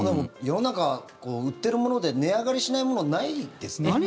世の中、売ってるもので値上がりしないものないですね。